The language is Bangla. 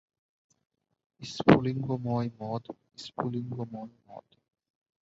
স্ফুলিঙ্গময় মদ, স্ফুলিঙ্গময় মদ।